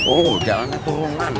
oh jalannya turunan